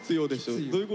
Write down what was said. どういうこと？